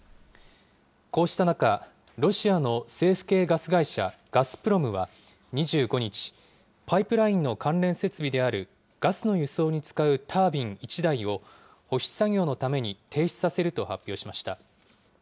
こうした中、ロシアの政府系ガス会社、ガスプロムは２５日、パイプラインの関連設備であるガスの輸送に使うタービン１台を、保守作業のために停止させると発表しました。